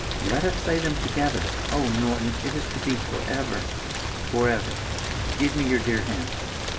"Let us say them together. Oh, Norton, it is to be forever!" "Forever. Give me your dear hand.